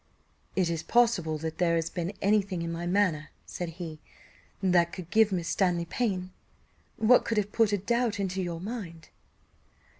"Is it possible that there has been any thing in my manner," said he, "that could give Miss Stanley pain? What could have put a doubt into her mind?"